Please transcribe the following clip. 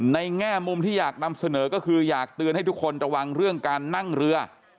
แง่มุมที่อยากนำเสนอก็คืออยากเตือนให้ทุกคนระวังเรื่องการนั่งเรือ